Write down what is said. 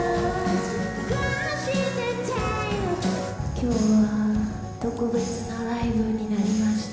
きょうは特別なライブになりました。